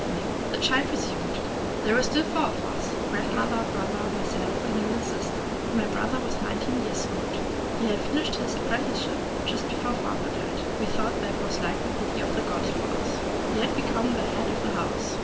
NINGYO NO HAKA 127 The child resumed :— "There were still four of us, — grand mother, brother, myself, and my little sister. My brother was nineteen years old. He had finished his apprenticeship just before father died ; we thought that was like the pity of the gods for us. He had become the head of the house.